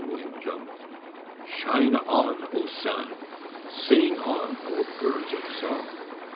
SHINE ON Shine on, O sun! Sing on, O birds of song!